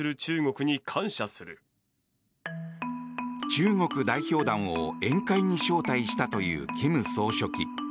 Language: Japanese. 中国代表団を宴会に招待したという金総書記。